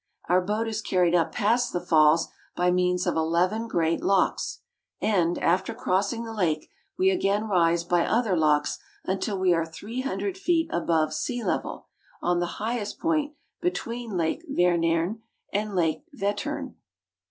Our boat is carried up past the falls by means of eleven great locks, and, after cross ing the lake, we again rise by other locks until we are three hundred feet above sea level, on the highest point between Lake Wenern and Lake Wettern (vet'tern).